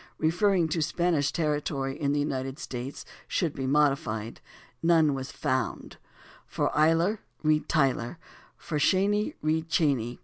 23), referring to Spanish territory in the United States, should be modified. None was found. For "Eyler" read Tyler (p. 67); for "Cheney" (p. 91), read Cheyney.